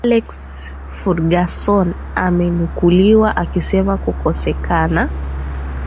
alex furgason amenukuliwa akisema kukosekana